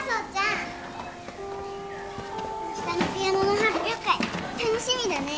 あしたのピアノの発表会楽しみだね。